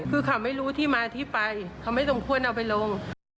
คือเขาไม่รู้ที่มาที่ไปเขาไม่สมควรเอาไปลง